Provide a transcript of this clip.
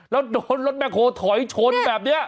แล้วลดมันโถยชนแบบนี่